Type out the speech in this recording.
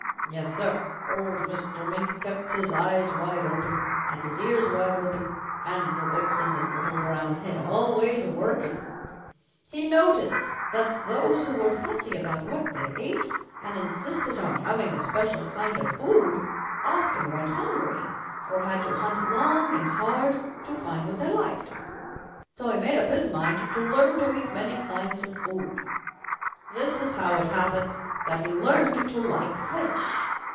"Yes, Sir, old Mr. Mink kept his eyes wide open and his ears wide open and the wits in his little brown head always working. He noticed that those who were fussy about what they ate and insisted on having a special kind of food often went hungry or had to hunt long and hard to find what they liked, so he made up his mind to learn to eat many kinds of food. This is how it happens that he learned to like fish.